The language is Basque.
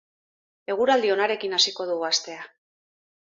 Eguraldi onarekin hasiko dugu astea.